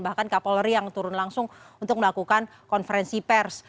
bahkan kapolri yang turun langsung untuk melakukan konferensi pers